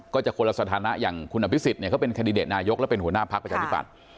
ก็จะคนละสถานะอย่างคุณอฟิศิษฐ์เนี้ยก็เป็นไหน้ยกและเป็นหัวหน้าภักษณ์